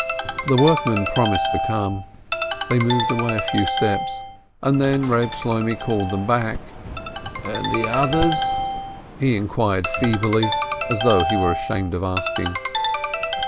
The workmen promised to come. They moved away a few steps, and then Reb Shloimeh called them back. "And the others?" he inquired feebly, as though he were ashamed of asking.